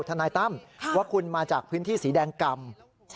ทนายตั้มว่าคุณมาจากพื้นที่สีแดงกำ